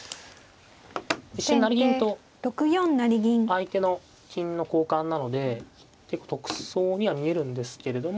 一瞬成銀と相手の金の交換なので結構得そうには見えるんですけれども。